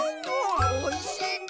おいしいね。